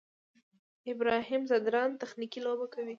ابراهیم ځدراڼ تخنیکي لوبه کوي.